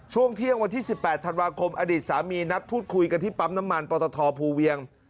ช่วงเที่ยงวันที่๑๘ธันวาคมอดีตสามีนัดพูดคุยกันที่ปั๊มน้ำมันปตทภูเวียง